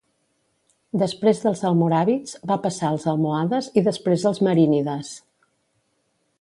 Després dels almoràvits va passar als almohades i després als marínides.